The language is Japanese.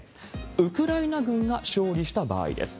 ウクライナ軍が勝利した場合です。